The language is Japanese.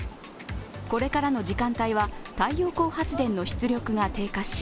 これからの時間帯は太陽光発電の出力が低下し